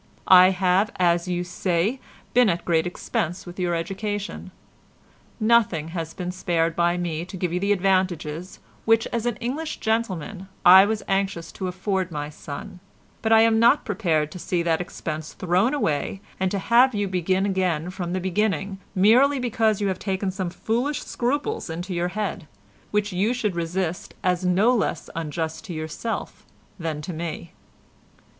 I have, as you say, been at great expense with your education. Nothing has been spared by me to give you the advantages, which, as an English gentleman, I was anxious to afford my son, but I am not prepared to see that expense thrown away and to have to begin again from the beginning, merely because you have taken some foolish scruples into your head, which you should resist as no less unjust to yourself than to me.